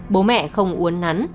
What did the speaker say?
bố mẹ không uốn nắn